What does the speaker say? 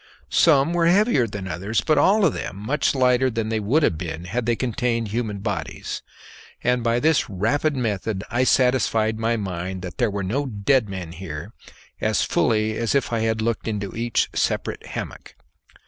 Some were heavier than the others, but all of them much lighter than they would have been had they contained human bodies; and by this rapid method I satisfied my mind that there were no dead men here as fully as if I had looked into each separate hammock.